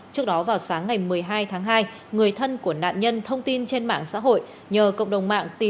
trước đó vào sáng ngày một mươi hai tháng hai người thân của nạn nhân thông tin trên mạng xã hội